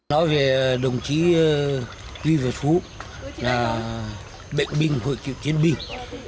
nói về đồng chí duy vật phú bệnh binh hội cựu chiến binh